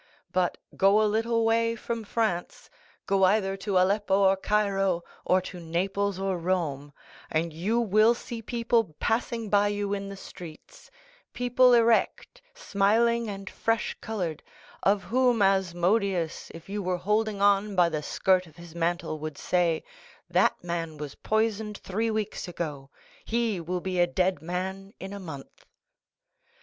But go a little way from France—go either to Aleppo or Cairo, or only to Naples or Rome, and you will see people passing by you in the streets—people erect, smiling, and fresh colored, of whom Asmodeus, if you were holding on by the skirt of his mantle, would say, 'That man was poisoned three weeks ago; he will be a dead man in a month.